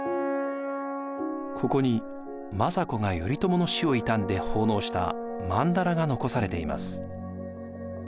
ここに政子が頼朝の死を悼んで奉納したまんだらが残されています。